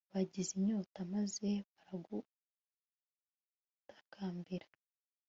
bagize inyota maze baragutakambira